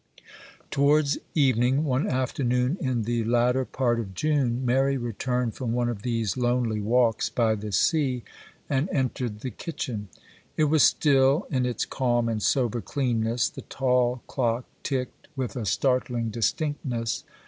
Towards evening, one afternoon in the latter part of June, Mary returned from one of these lonely walks by the sea, and entered the kitchen. It was still in its calm and sober cleanness;—the tall clock ticked with a startling distinctness.